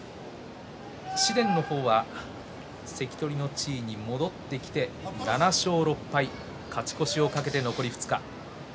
紫雷の方は関取の地位に戻ってきて７勝６敗勝ち越しを懸けて残り２日。